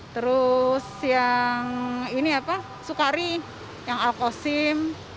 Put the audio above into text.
terus yang sukari yang alkozim